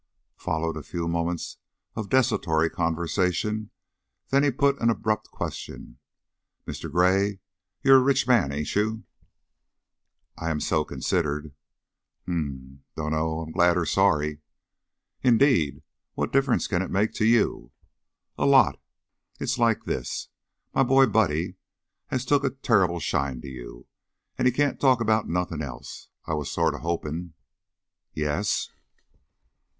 Followed a few moments of desultory conversation, then he put an abrupt question: "Mr. Gray, you're a rich man, ain't you?" "I am so considered." "Um m! Dunno's I'm glad or sorry." "Indeed! What difference can it make to you?" "A lot. It's like this: my boy Buddy has took a turrible shine to you, an' he can't talk about nothin' else. I was sort of hopin' " "Yes?"